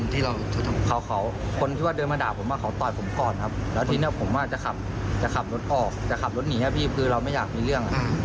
ตรงนี้คือไม่อยากจะมีเรื่อง